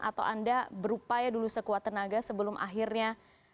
atau anda berupaya dulu sekuat tenaga sebelum akhirnya